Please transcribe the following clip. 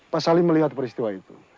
pak salim melihat peristiwa itu